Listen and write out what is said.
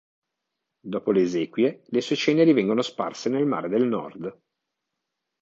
Dopo le esequie, le sue ceneri vengono sparse nel Mare del Nord.